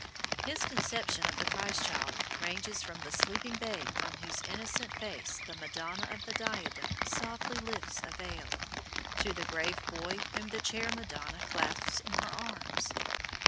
His conception of the Christ child ranges from the sleeping Babe from whose innocent face the Madonna of the Diadem softly lifts a veil, to the grave boy whom the Chair Madonna clasps in her arms.